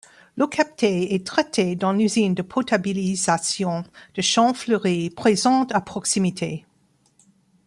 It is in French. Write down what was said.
L'eau captée est traitée dans l'usine de potabilisation de Champ Fleury présente à proximité.